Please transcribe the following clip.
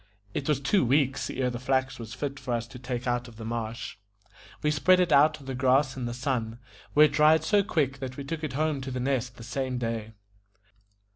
It was two weeks ere the flax was fit for us to take out of the marsh. We spread it out on the grass in the sun, where it dried so quick that we took it home to The Nest the same day.